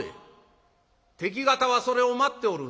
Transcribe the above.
「敵方はそれを待っておるんだ」。